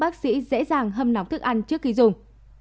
không nóng thức ăn trước khi dùng